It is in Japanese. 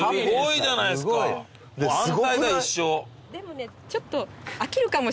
でもねちょっと。